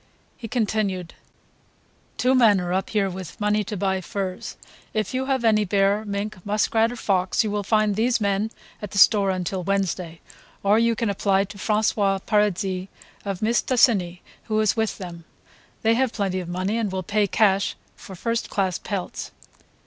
He continued: "Two men are up here with money to buy furs. If you have any bear, mink, muskrat or fox you will find these men at the store until Wednesday, or you can apply to François Paradis of Mistassini who is with them. They have plenty of money and will pay cash for first class pelts."